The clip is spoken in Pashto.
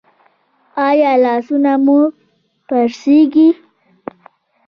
ایا لاسونه مو پړسیږي؟